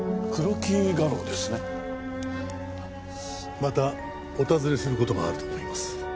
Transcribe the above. またお尋ねする事があると思います。